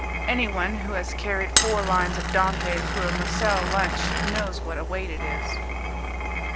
Anyone who has carried four lines of Dante through a Moselle lunch knows what a weight it is.